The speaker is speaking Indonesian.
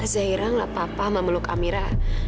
zaira ngeliat papa memeluk amira